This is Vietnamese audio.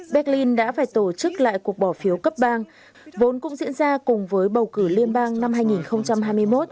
berlin đã phải tổ chức lại cuộc bỏ phiếu cấp bang vốn cũng diễn ra cùng với bầu cử liên bang năm hai nghìn hai mươi một